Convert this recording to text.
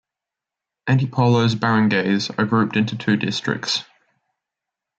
Antipolo's barangays are grouped into two districts.